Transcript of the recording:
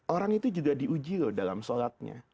orang itu juga diuji berdua